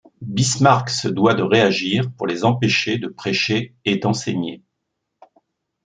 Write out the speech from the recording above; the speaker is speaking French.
Bismarck se doit de réagir pour les empêcher de prêcher et d'enseigner.